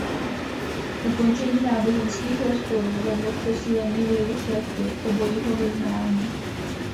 Ukončení náboženských rozporů vedlo k posílení vlivu šlechty obojího vyznání.